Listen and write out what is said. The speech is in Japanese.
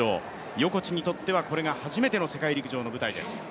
横地にとってはこれが初めての世界陸上の舞台です。